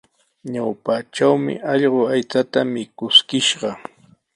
Ñawpatrawmi allqu aychata mikuskishqa.